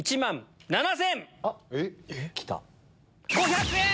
５００円！